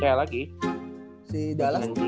cek lagi si dallas